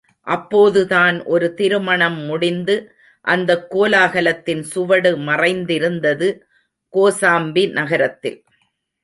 அப்போதுதான் ஒரு திருமணம் முடிந்து அந்தக் கோலாகலத்தின் சுவடு மறைந்திருந்தது கோசாம்பி நகரத்தில்.